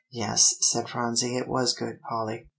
"Yes," said Phronsie, "it was good, Polly."